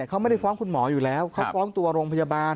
เขาไม่ได้ฟ้องคุณหมออยู่แล้วเขาฟ้องตัวโรงพยาบาล